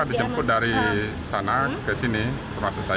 dijemput dari sana ke sini termasuk saya